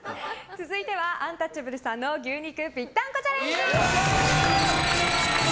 続いてはアンタッチャブルさんの牛肉ぴったんこチャレンジ。